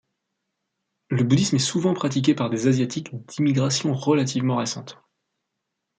Le bouddhisme est souvent pratiqué par des Asiatiques d’immigration relativement récente.